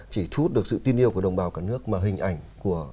chỉ thu hút được sự tin yêu của đồng bào cả nước mà hình ảnh của